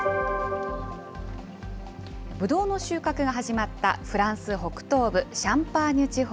ぶどうの収穫が始まったフランス北東部シャンパーニュ地方。